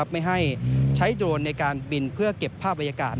ไม่ให้ใช้โดรนในการบินเพื่อเก็บภาพบรรยากาศ